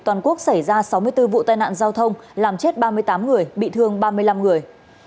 toàn quốc xảy ra sáu mươi bốn vụ tai nạn giao thông làm chết ba mươi tám người bị thương ba mươi năm người